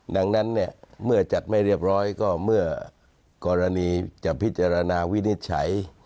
ดังนั้นเนี่ยเมื่อจัดไม่เรียบร้อยก็เมื่อกรณีจะพิจารณาวินิจฉัย